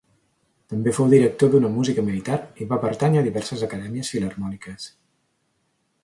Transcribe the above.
També fou director d'una música militar, i va pertànyer a diverses acadèmies filharmòniques.